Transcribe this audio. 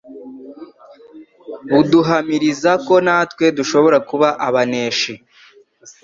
buduhamiriza ko natwe dushobora kuba abaneshi